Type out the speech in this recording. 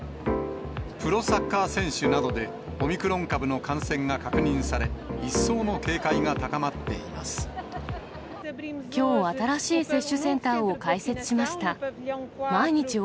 プロサッカー選手などでオミクロン株の感染が確認され、きょう、新しい接種センターを開設しました。